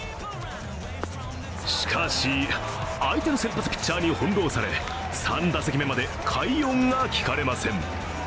しかし、相手の先発ピッチャーにほんろうされ３打席目まで快音が聞かれません。